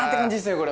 これ。